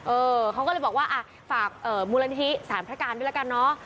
เออเขาก็เลยบอกว่าอ่ะฝากเอ่อมูลนทริสารพัฒนาการด้วยละกันเนอะ